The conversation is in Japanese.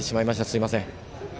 すみません。